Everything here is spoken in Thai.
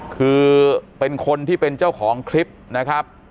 คือเป็นคนที่เป็นเจ้าของคลิปนะครับ